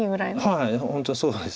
はい本当そうですね。